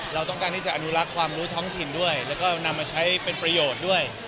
เราต้องการที่จะอนุรักษ์ความรู้ท้องถิ่นด้วยแล้วก็นำมาใช้เป็นประโยชน์ด้วย